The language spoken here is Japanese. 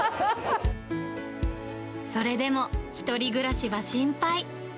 それでも、１人暮らしは心配。